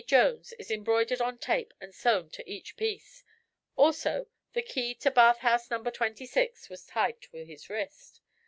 Jones' is embroidered on tape and sewn to each piece. Also the key to bathhouse number twenty six was tied to his wrist.